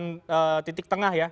dan titik tengah ya